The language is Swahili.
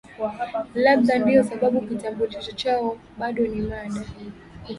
Labda ndio sababu kitambulisho chao bado ni mada